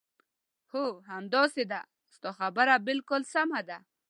هو، همداسې ده، ستا خبره بالکل سمه ده.